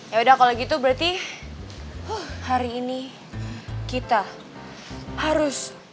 ya udah kalau gitu berarti hari ini kita harus